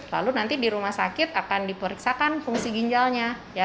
lalu nanti di rumah sakit akan diperiksakan fungsi ginjalnya